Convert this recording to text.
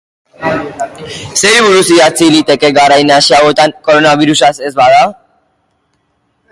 Zeri buruz idatzi liteke garai nahasi hauetan koronabirusaz ez bada?